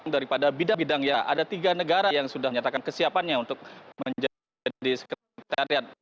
daripada bidang bidang ya ada tiga negara yang sudah menyatakan kesiapannya untuk menjadi sekretariat